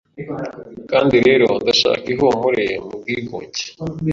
Kandi rero ndashaka ihumure mu bwigunge.